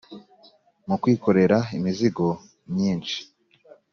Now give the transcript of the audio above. mu kwikorera imizigo myinshi